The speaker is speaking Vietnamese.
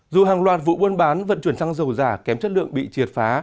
dù hàng loạt vụ buôn bán vận chuyển xăng dầu giả kém chất lượng bị triệt phá